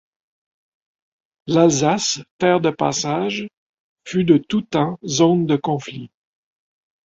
L'Alsace, terre de passage, fut de tout temps zone de conflits.